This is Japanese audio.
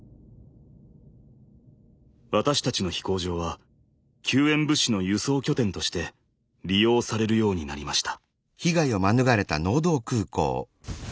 私たちの飛行場は救援物資の輸送拠点として利用されるようになりました。